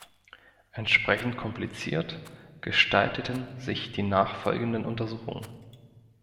Entsprechend kompliziert gestalteten sich die nachfolgenden Untersuchungen.